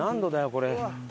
これ。